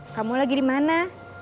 kamu lagi dimana